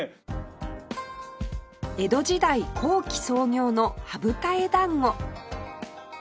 江戸時代後期創業の羽二重団子